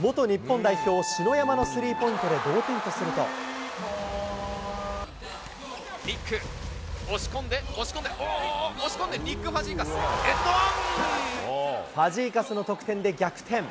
元日本代表、篠山のスリーポニック、押し込んで、押し込んで、押し込んで、ファジーカスの得点で逆転。